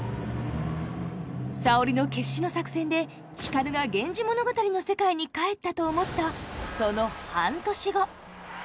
沙織の決死の作戦で光が「源氏物語」の世界に帰ったと思ったその半年後。